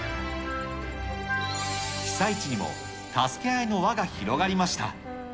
被災地にも助け合いの輪が広がりました。